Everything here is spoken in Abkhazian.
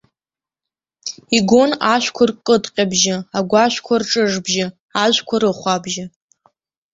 Игон ашәқәа ркыдҟьабжьы, агәашәқәа рҿыжбжьы, ажәқәа рыхәаабжьы.